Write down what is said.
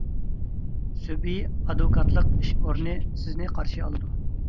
سۈبھى ئادۋوكاتلىق ئىش ئورنى سىزنى قارشى ئالىدۇ!